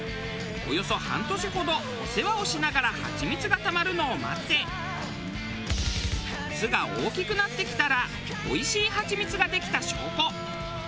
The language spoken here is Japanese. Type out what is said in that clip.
およそ半年ほどお世話をしながらハチミツがたまるのを待って巣が大きくなってきたらおいしいハチミツができた証拠。